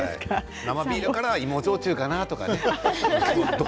生ビールからは芋焼酎かなとかね